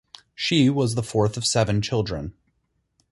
She was the fourth of seven children.